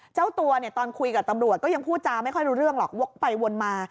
เจ้าตัวเนี่ยตอนคุยกับตำรวจก็ยังพูดจาไม่ค่อยรู้เรื่องหรอกวกไปวนมา